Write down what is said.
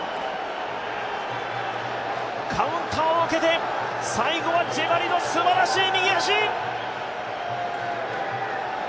カウンターを受けて、最後はジェバリのすばらしい右足。